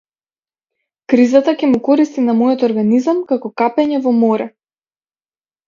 Кризата ќе му користи на мојот организам како капење во море.